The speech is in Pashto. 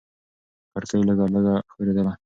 کړکۍ لږه لږه ښورېدله.